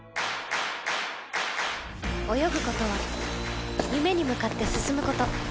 泳ぐ事は夢に向かって進む事。